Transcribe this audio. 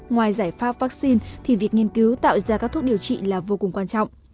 ngoài giải pháp vaccine thì việc nghiên cứu tạo ra các thuốc điều trị là vô cùng quan trọng